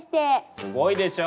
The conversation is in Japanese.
すごいでしょ。